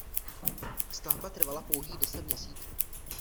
Stavba trvala pouhých deset měsíců.